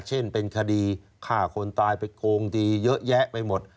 เช่นเป็นคดีฆ่าคนตายไปโกงดีเยอะแยะไปหมด